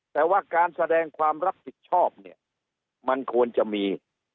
แต่ว่าการแสดงความรับผิดชอบเนี่ยมันควรจะมี